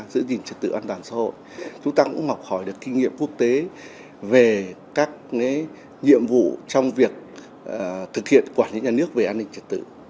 giữ gìn trật tự an toàn xã hội chúng ta cũng học hỏi được kinh nghiệm quốc tế về các nhiệm vụ trong việc thực hiện quản lý nhà nước về an ninh trật tự